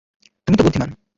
তুমি তো বুদ্ধিমান।